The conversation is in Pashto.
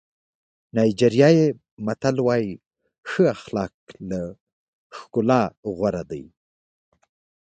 نایجیریایي متل وایي ښه اخلاق له ښکلا غوره دي.